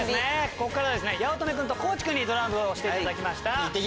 ここからは八乙女君と地君にドライブをしていただきました。